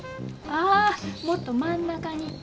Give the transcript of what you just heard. あもっと真ん中に。